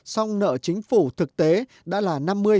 song nợ chính phủ thực tế đã là năm mươi